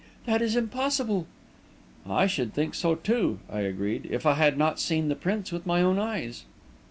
That is impossible!" "I should think so, too," I agreed, "if I had not seen the prints with my own eyes."